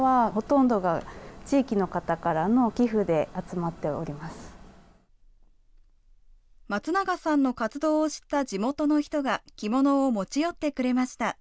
まつながさんの活動を知った地元の人が着物を持ち寄ってくれました。